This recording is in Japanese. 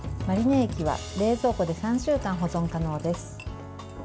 マリネ液は冷蔵庫で３週間保存可能です。